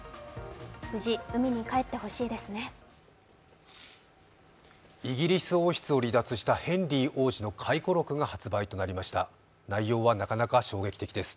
無事、海に帰ってほしいですね。